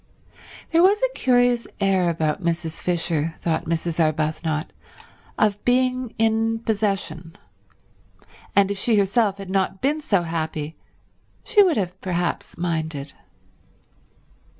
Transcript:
There was a curious air about Mrs. Fisher, thought Mrs. Arbuthnot, of being in possession; and if she herself had not been so happy she would have perhaps minded.